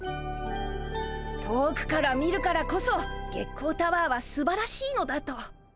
遠くから見るからこそ月光タワーはすばらしいのだと。